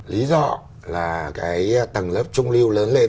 lý do là cái tầng lớp trung lưu lớn lên